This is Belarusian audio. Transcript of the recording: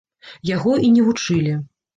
Яго і не вучылі.